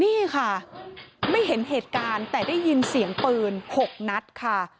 นี่ค่ะไม่เห็นเหตุการณ์แต่ได้ยินเสียงปืน๖นัดค่ะ